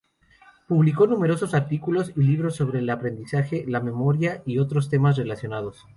Publicó numerosos artículos y libros sobre el aprendizaje, la memoria y otros temas relacionados.